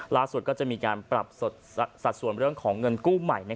ล่าสุดก็จะมีการปรับสัดส่วนเรื่องของเงินกู้ใหม่